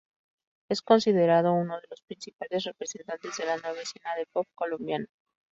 Es considerado uno de los principales representantes de la nueva escena de pop colombiano.